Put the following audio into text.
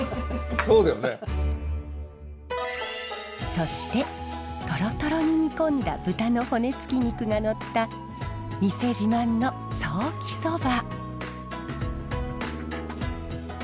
そしてトロトロに煮込んだ豚の骨付き肉がのった店自慢のソーキそば。